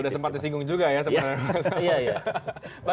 sudah sempat disinggung juga ya sebenarnya